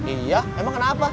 iya emang kenapa